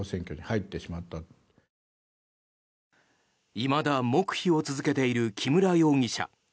いまだ黙秘を続けている木村容疑者。